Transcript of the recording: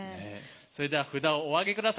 それでは札をお上げ下さい。